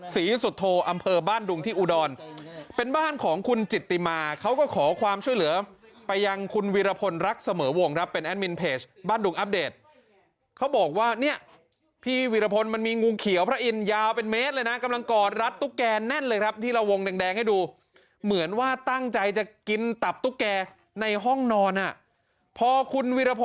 ศรีสุโธอำเภอบ้านดุงที่อุดรเป็นบ้านของคุณจิตติมาเขาก็ขอความช่วยเหลือไปยังคุณวีรพลรักเสมอวงครับเป็นแอดมินเพจบ้านดุงอัปเดตเขาบอกว่าเนี่ยพี่วิรพลมันมีงูเขียวพระอินทร์ยาวเป็นเมตรเลยนะกำลังกอดรัดตุ๊กแกแน่นเลยครับที่เราวงแดงให้ดูเหมือนว่าตั้งใจจะกินตับตุ๊กแกในห้องนอนอ่ะพอคุณวิรพ